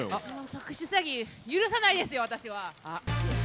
特殊詐欺、許さないですよ、私は。